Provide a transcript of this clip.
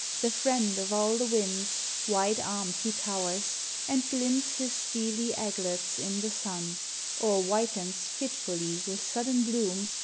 The friend of all the winds, wide armed he towers And glints his steely aglets in the sun, Or whitens fitfully with sudden bloom UNDER THE WILLOWS.